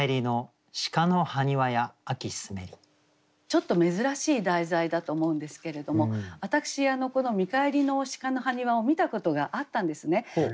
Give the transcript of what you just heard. ちょっと珍しい題材だと思うんですけれども私この「見返りの鹿の埴輪」を見たことがあったんですね。